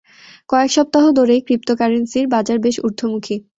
কয়েক সপ্তাহ ধরেই ক্রিপ্টোকারেন্সির বাজার বেশ ঊর্ধ্বমুখী।